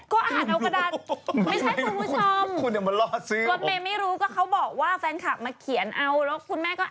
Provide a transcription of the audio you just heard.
ก็ดูได้เขาดูกับทั้งประเทศแล้วคุณแม่